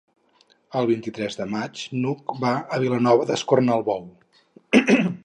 El vint-i-tres de maig n'Hug va a Vilanova d'Escornalbou.